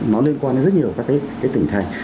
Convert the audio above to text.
nó liên quan đến rất nhiều các cái tỉnh thành